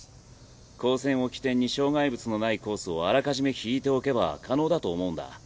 高専を起点に障害物のないコースをあらかじめ引いておけば可能だと思うんだ。